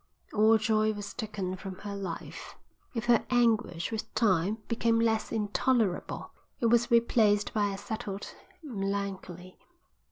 All joy was taken from her life. If her anguish with time became less intolerable it was replaced by a settled melancholy.